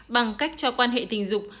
bằng cách cho quan hệ tình dục